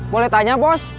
boleh tanya bos